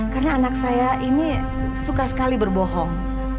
karena anak saya ini suka sekali berbohong